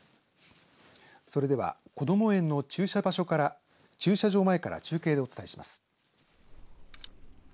それでは、こども園の駐車場前から中継でお伝えします。